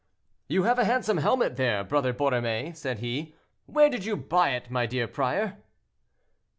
"You have a handsome helmet there, Brother Borromée," said he; "where did you buy it, my dear prior?"